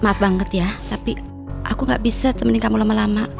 maaf banget ya tapi aku gak bisa temenin kamu lama lama